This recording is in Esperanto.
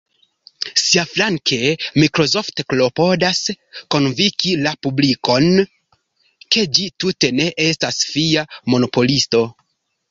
Siaflanke Microsoft klopodas konvinki la publikon, ke ĝi tute ne estas fia monopolisto.